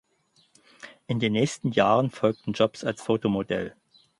In den nächsten Jahren folgten Jobs als Fotomodel.